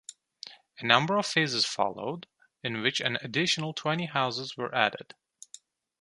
A number of phases followed in which an additional twenty houses were added.